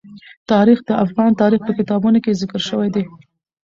تاریخ د افغان تاریخ په کتابونو کې ذکر شوی دي.